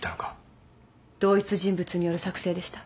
同一人物による作成でした。